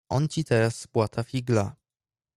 "On ci teraz spłata figla."